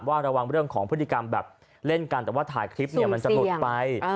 ระวังเรื่องของพฤติกรรมแบบเล่นกันแต่ว่าถ่ายคลิปเนี่ยมันจะหลุดไป